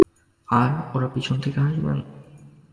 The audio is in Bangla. আর, ওঁরা পিছন থেকে হাসবেন?